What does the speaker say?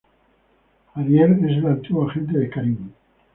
Ariel es el antiguo agente de Karin.